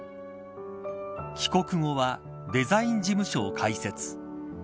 帰国後はデザイン事務所を開設。